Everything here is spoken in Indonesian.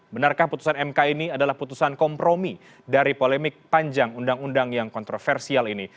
benarkah putusan mk ini adalah putusan kompromi dari polemik panjang undang undang yang kontroversial ini